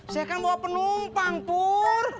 saya akan bawa penumpang pur